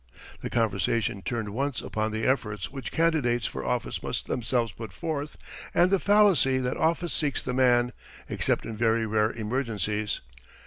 The conversation turned once upon the efforts which candidates for office must themselves put forth and the fallacy that office seeks the man, except in very rare emergencies.